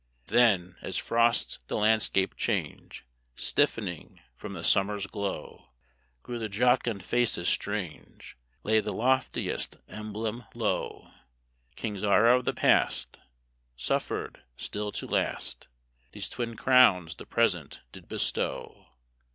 Then, as frosts the landscape change, Stiffening from the summer's glow, Grew the jocund faces strange, Lay the loftiest emblem low: Kings are of the past, Suffered still to last; These twin crowns the present did bestow.